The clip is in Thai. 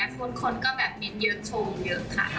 ส่วนคนเบ่นเยอะโชว์อ่ะ